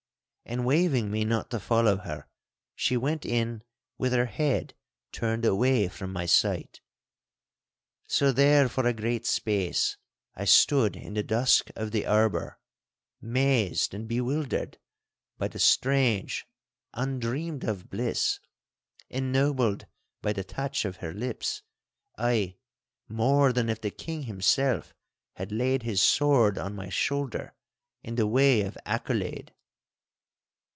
And waving me not to follow her, she went in with her head turned away from my sight. So there for a great space I stood in the dusk of the arbour, mazed and bewildered by the strange, undreamed of bliss—ennobled by the touch of her lips, ay, more than if the King himself had laid his sword on my shoulder in the way of accolade.